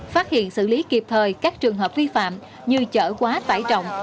phát hiện xử lý kịp thời các trường hợp vi phạm như chở quá tải trọng